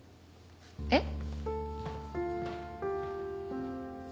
えっ？